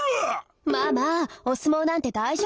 ママお相撲なんて大丈夫なの？